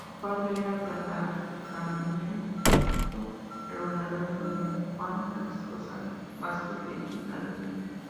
Su padre era tataranieto del gobernador español Juan Francisco Sáenz Vázquez de Quintanilla.